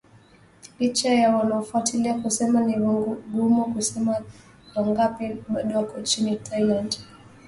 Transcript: licha ya wanaofuatilia kusema ni vigumu kusema wangapi bado wako nchini Thailand